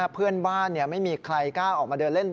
เพื่อนบ้านไม่มีใครกล้าออกมาเดินเล่น